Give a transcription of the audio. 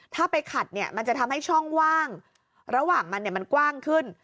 ถ้าไปขัดเนี่ยมันจะทำให้ช่องว่างระหว่างมันมันกว้างขึ้น